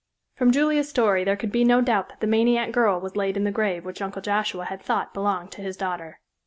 From Julia's story there could be no doubt that the maniac girl was laid in the grave which Uncle Joshua had thought belonged to his daughter.